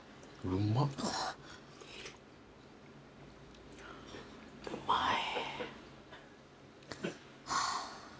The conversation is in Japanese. うまい。